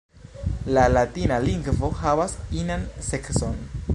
La latina lingvo havas inan sekson.